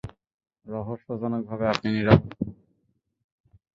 রহস্যজনকভাবে আপনি নীরবতা পালন করে চলেছেন।